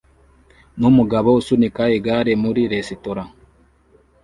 numugabo usunika igare muri resitora